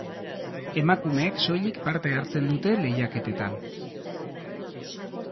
Emakumeek soilik parte hartzen dute lehiaketetan.